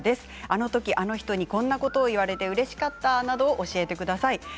あの時、あの人にこんなことを言われてうれしかったなど教えてください。